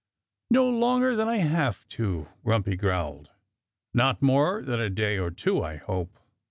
"No longer than I have to!" Grumpy growled. "Not more than a day or two, I hope!"